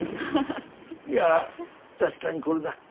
いや確かにこれだ。